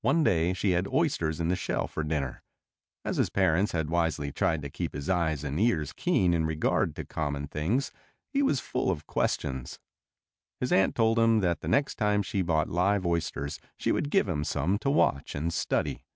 One day she had oysters in the shell for dinner. As his parents had wisely tried to keep his eyes and ears keen in regard to common things, he was full of questions. His aunt told him that the next time she bought live oysters she would give him some to watch and study.